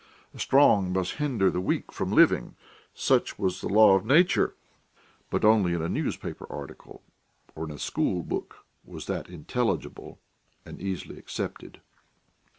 The strong must hinder the weak from living such was the law of Nature; but only in a newspaper article or in a school book was that intelligible and easily accepted.